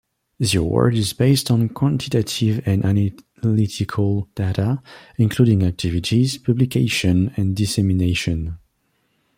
The award is based on quantitative and analytical data, including activities, publications and dissemination.